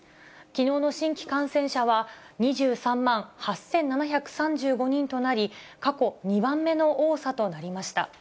きのうの新規感染者は２３万８７３５人となり、過去２番目の多さとなりました。